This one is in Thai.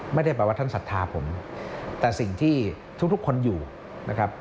ไม่ได้แปลว่าท่านศรัทธาผมแต่สิ่งที่ทุกคนอยู่นะครับ